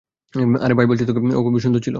আরে ভাই বলছি তোকে, ও খুবই সুন্দর ছিল।